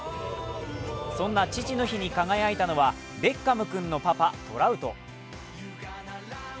そんな父の日に輝いたのは、ベッカム君のパパ・トラウト。